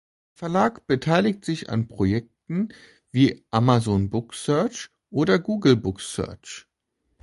Der Verlag beteiligt sich an Projekten wie Amazon Book Search und Google Books Search.